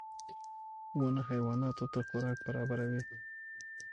• ونه حیواناتو ته خوراک برابروي.